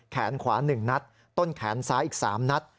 แขนขวา๑นัดต้นแขนซ้ายอีก๓นัด